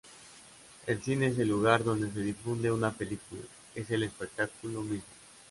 El cine es el lugar donde se difunde una película, es el espectáculo mismo.